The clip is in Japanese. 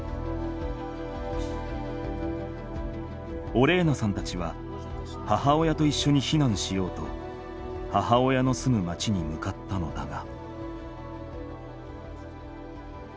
オレーナさんたちは母親といっしょに避難しようと母親の住む町に向かったのだが。